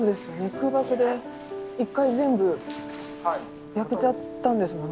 空爆で一回全部焼けちゃったんですもんね。